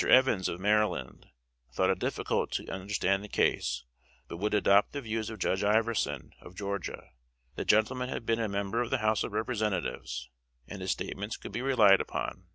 Evans, of Maryland, thought it difficult to understand the case, but would adopt the views of Judge Iverson, of Georgia; that gentleman had been a member of the House of Representatives, and his statements could be relied upon.